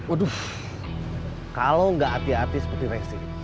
aduh kalau enggak hati hati seperti reksi